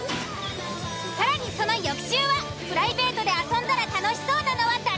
更にその翌週はプライベ―トで遊んだら楽しそうなのは誰？